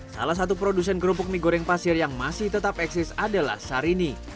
salah satu produsen kerupuk mie goreng pasir yang masih tetap eksis adalah sarini